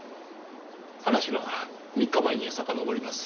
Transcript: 話は３日前にさかのぼります。